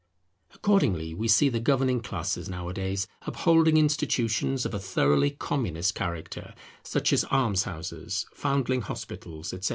Accordingly we see the governing classes nowadays upholding institutions of a thoroughly Communist character, such as alms houses, foundling hospitals, etc.